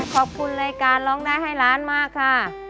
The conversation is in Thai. ขอบคุณรายการร้องได้ให้ล้านมากค่ะ